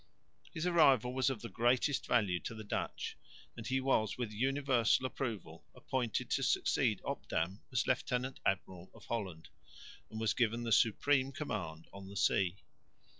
His arrival was of the greatest value to the Dutch, and he was with universal approval appointed to succeed Obdam as lieutenant admiral of Holland, and was given the supreme command on the sea.